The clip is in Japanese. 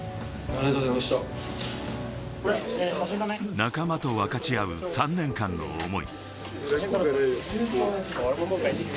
仲間と分かち合う３年間の思い。